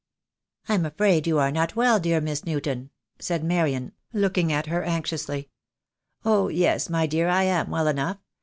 "I'm afraid you are not well, dear Miss Newton," said Marian, looking at her anxiously. "Oh, yes, my dear, I am well enough.